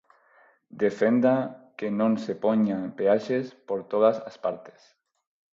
Defenda que non se poñan peaxes por todas as partes.